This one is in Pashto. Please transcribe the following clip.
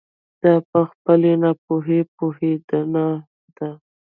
دا په خپلې ناپوهي پوهېدنه ده.